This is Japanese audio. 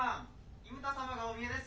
伊牟田様がお見えです！